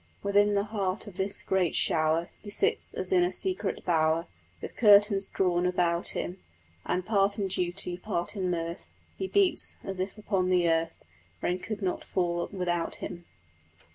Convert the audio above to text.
Within the heart of this great shower He sits, as in a secret bower, With curtains drawn about him: And, part in duty, part in mirth, He beats, as if upon the earth Rain could not fall without him.